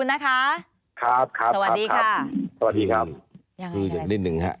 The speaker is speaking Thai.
ไม่มีนะ